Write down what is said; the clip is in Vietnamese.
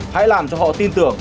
hãy làm cho họ tin tưởng